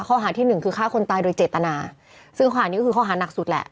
ข้อหาที่หนึ่งคือฆ่าคนตายโดยเจตนาซึ่งข้อหานี้ก็คือข้อหานักสุดแหละ